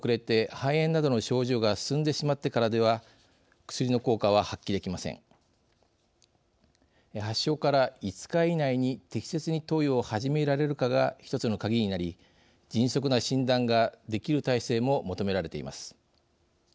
発症から５日以内に適切に投与を始められるかが一つの鍵になり迅速な診断ができる体制も求められています。